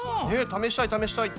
試したい試したい！